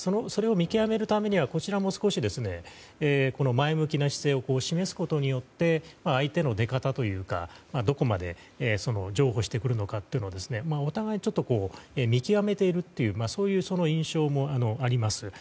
それを見極めるためにはこちらも少し前向きな姿勢を示すことによって相手の出方というかどこまで譲歩してくるのかをお互い、ちょっと見極めているという印象もあります。